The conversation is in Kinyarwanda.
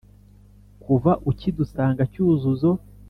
Kuva ukidusanga Cyuzuzo